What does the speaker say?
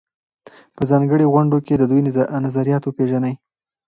په ځانګړو غونډو کې د دوی نظریات وپېژنئ.